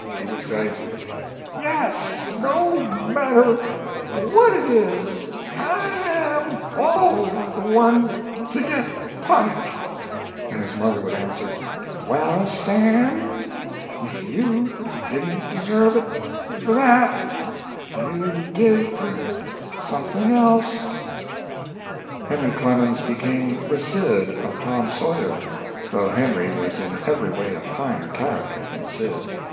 He would say: "Yes, no matter what it is, I am always the one to get punished"; and his mother would answer: "Well, Sam, if you didn't deserve it for that, you did for something else." Henry Clemens became the Sid of Tom Sawyer, though Henry was in every way a finer character than Sid.